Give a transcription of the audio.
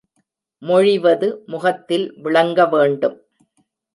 மொழிவது முகத்தில் விளங்கவேண்டும்.